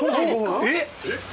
えっ？